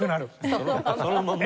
そのまま。